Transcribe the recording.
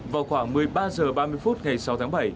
vào khoảng một mươi ba h ba mươi phút ngày sáu tháng bảy